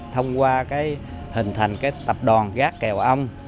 thông qua hình thành tập đoàn gác kèo ông